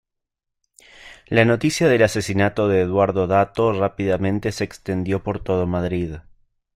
La noticia del asesinato de Eduardo Dato rápidamente se extendió por todo Madrid.